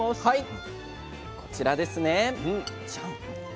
はいこちらですねジャン。